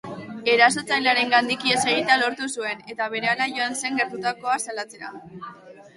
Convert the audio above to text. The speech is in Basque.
Erasotzailearengandik ihes egitea lortu zuen, eta berehala joan zen gertatutakoa salatzera.